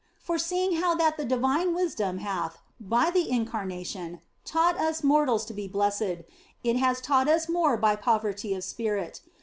For seeing how that the divine wisdom hath by the Incarnation taught us mortals to be blessed, it hath taught us more by poverty of spirit.